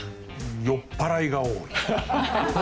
酔っ払いが多い。